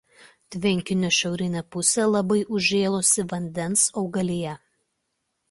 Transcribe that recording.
Tvenkinio šiaurinė pusė labai užžėlusi vandens augalija.